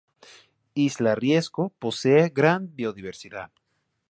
Isla Riesco posee gran biodiversidad.